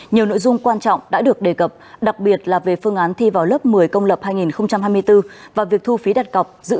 nhiều nội dung quan trọng đã được đề cập đặc biệt là về phương án thi vào lớp một mươi công lập hai nghìn hai mươi bốn